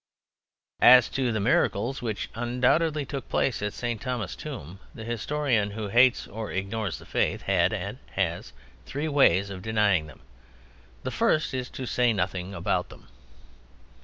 As to the miracles which undoubtedly took place at St. Thomas' tomb, the historian who hates or ignores the Faith had (and has) three ways of denying them. The first is to say nothing about them.